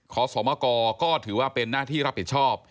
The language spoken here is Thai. ขอสมกก็ถือว่าเป็นหน้าที่รับผิดชอบ